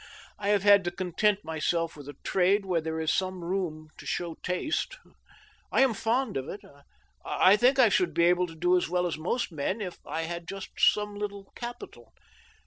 I have had to content myself with a trade where there is some room to show taste. ... I am fond of it. I think I should be able to do as well as most men, if I had just some little capital.